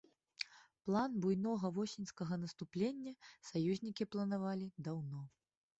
План буйнога восеньскага наступлення саюзнікі планавалі даўно.